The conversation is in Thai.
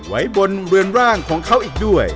ไว้บนเรือนร่างของเขาอีกด้วย